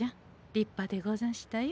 立派でござんしたよ。